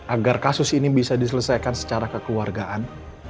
agar kasus ini bisa diselesaikan secara kekeluargaan